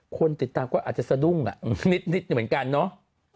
คนติดตามก็อาจจะสะดุ้งนิดเหมือนกันเนาะ